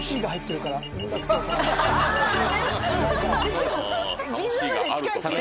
しかも銀座まで近いしね。